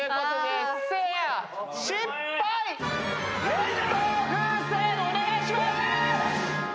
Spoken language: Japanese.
熱湯風船お願いします！